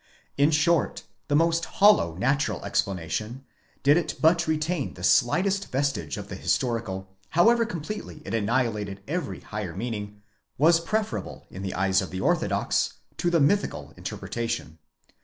In short the most hollow natural explanation, did it but retain the slightest vestige of the historical however completely it annihilated every higher meaning,— was preferable, in the eyes of the orthodox, to the mythical interpretation.